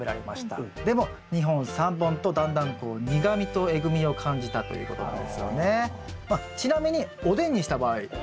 でも２本３本とだんだんこう苦みとえぐみを感じたということなんですよね。